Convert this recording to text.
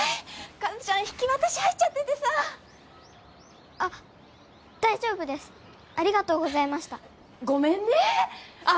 和ちゃん引き渡し入っちゃっててさあっ大丈夫ですありがとうございましたごめんねああ